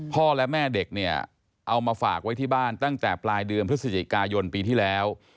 พ่อและแม่เด็กเนี่ยเอามาฝากไว้ที่บ้านตั้งแต่ปลายเดือนพฤศจิกายนปีที่แล้ว